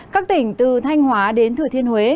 các tỉnh từ thanh hóa đến thừa thiên huế